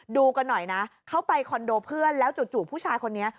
ดูกันหน่อยนะเข้าไปคอนโดเพื่อนแล้วจู่ผู้ชายคนนี้